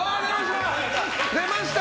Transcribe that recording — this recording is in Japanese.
出ました！